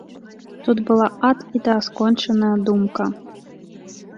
Тут была ад і да скончаная думка.